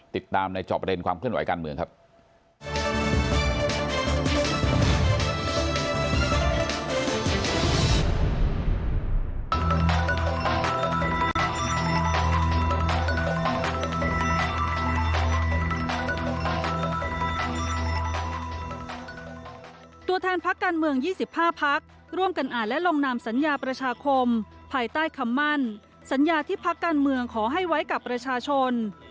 ติดตามในจอบประเด็นความเคลื่อนไหวการเมืองครับ